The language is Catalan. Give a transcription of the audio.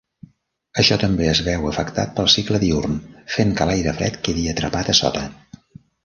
Això també es veu afectat pel cicle diürn, fent que l'aire fred quedi atrapat a sota.